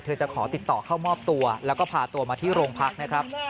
จะขอติดต่อเข้ามอบตัวแล้วก็พาตัวมาที่โรงพักนะครับ